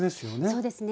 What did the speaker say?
そうですね。